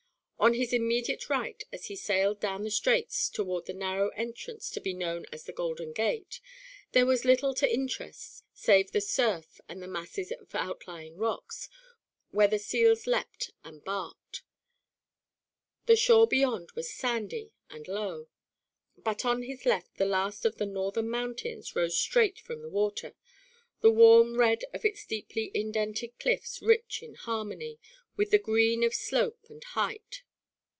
On his immediate right as he sailed down the straits toward the narrow entrance to be known as the Golden Gate, there was little to interest save the surf and the masses of outlying rocks where the seals leapt and barked; the shore beyond was sandy and low. But on his left the last of the northern mountains rose straight from the water, the warm red of its deeply indented cliffs rich in harmony with the green of slope and height.